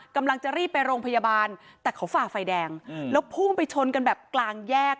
กำลังจะรีบไปโรงพยาบาลแต่เขาฝ่าไฟแดงแล้วพุ่งไปชนกันแบบกลางแยก